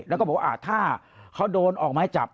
แล้วก็บอกว่าถ้าเขาโดนออกไม้จับ